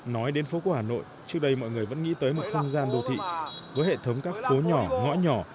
nói đến phố cổ hà nội trước đây mọi người vẫn nghĩ tới một không gian đô thị với hệ thống các phố nhỏ ngõ nhỏ